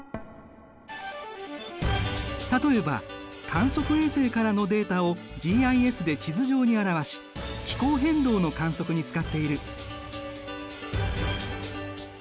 例えば観測衛星からのデータをＧＩＳで地図上に表し気候変動の観測に使っている。